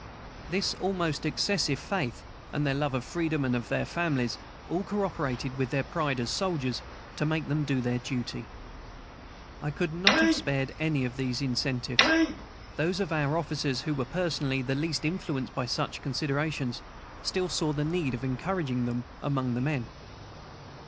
This almost excessive faith, and the love of freedom and of their families, all co operated with their pride as soldiers to make them do their duty. I could not have spared any of these incentives. Those of our officers who were personally the least influenced by such considerations, still saw the need of encouraging them among the men.